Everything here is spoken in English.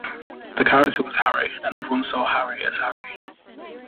The character was Harry and everyone saw Harry as Harry.